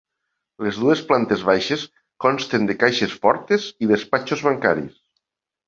Les dues plantes baixes consten de caixes fortes i despatxos bancaris.